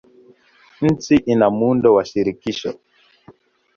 Nchi ina muundo wa shirikisho.